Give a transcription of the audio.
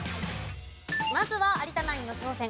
まずは有田ナインの挑戦。